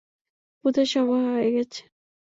পূজার সময় হয়ে গেছে।